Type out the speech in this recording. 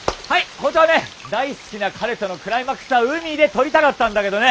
本当はね大好きな彼とのクライマックスは海で撮りたかったんだけどね。